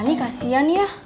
ani kasian ya